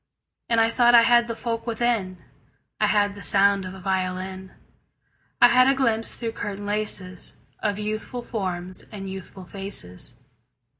And I thought I had the folk within: I had the sound of a violin; I had a glimpse through curtain laces Of youthful forms and youthful faces.